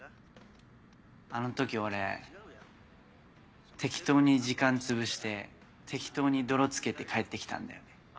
あの時俺適当に時間つぶして適当に泥つけて帰ってきたんだよね。